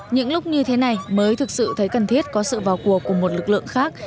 những lúc như thế này mới thực sự thấy cần thiết có sự vào cuộc của một lực lượng khác